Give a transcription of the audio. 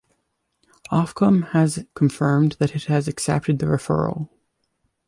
Ofcom has confirmed that it has accepted the referral.